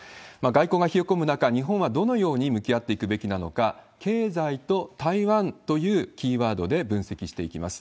外交が冷え込む中、日本はどのように向き合っていくべきなのか、経済と台湾というキーワードで分析していきます。